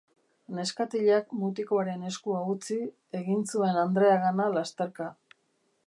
Neskatilak mutikoaren eskua utzi, egin zuen andreagana lasterka.